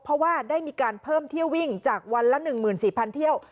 เพราะว่าได้มีการเพิ่มเที่ยววิ่งจากวันละ๑๔๐๐เที่ยว